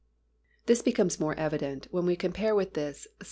This becomes more evident when we compare with this Ps.